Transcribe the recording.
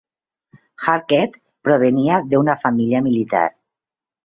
Halkett provenia d'una família militar.